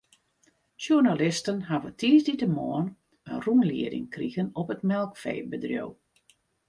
Sjoernalisten hawwe tiisdeitemoarn in rûnlieding krigen op it melkfeebedriuw.